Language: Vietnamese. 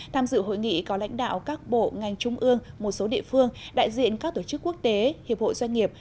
tham dự hội nghị có lãnh đạo các bộ ngành trung ương một số địa phương đại diện các tổ chức quốc tế hiệp hội doanh nghiệp